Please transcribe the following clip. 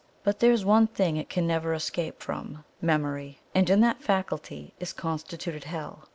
But there is one thing it can never escape from MEMORY. And in that faculty is constituted Hell.